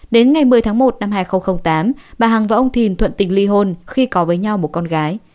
đến ngày một mươi tháng một năm hai nghìn tám bà hằng và ông thìn thuận tình ly hôn khi có với nhau một con gái